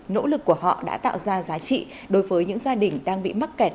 nỗ lực của họ đã tạo ra giá trị đối với những gia đình đang bị mắc kẹt